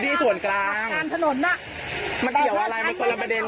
ได้มันจะมาขอโทษต่อหน้ากรรมรวมผมจะขอโทษกันอะไรผมไม่ได้ผิดอะไร